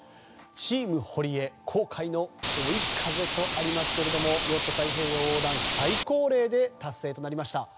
チーム堀江航海の追い風とありますがヨット太平洋横断最高齢で達成となりました。